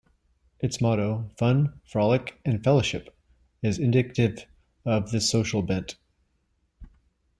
Its motto, "Fun, Frolic, and Fellowship," is indicative of this social bent.